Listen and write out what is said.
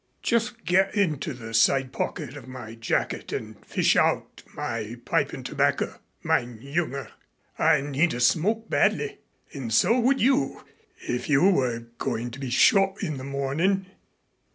"Just get into the side pocket of my jacket and fish out my pipe and tobacco, mein junger. I need a smoke badly. And so would you if you were going to be shot in the morning."